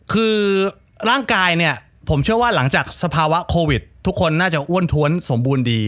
คือร่างกายเนี่ยผมเชื่อว่าหลังจากสภาวะโควิดทุกคนน่าจะอ้วนท้วนสมบูรณ์ดี